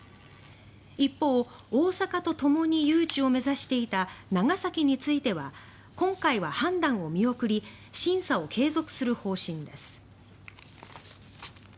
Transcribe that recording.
一方、大阪とともに誘致を目指していた長崎については今回は判断を見送り審査を継続する方針です。